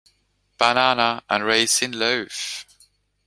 Banana and raisin loaf.